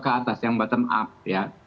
ke atas yang bottom up ya